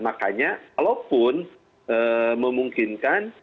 makanya walaupun memungkinkan